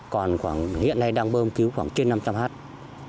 còn khoảng hiện nay đang bơm cứu khoảng trên năm trăm linh hectare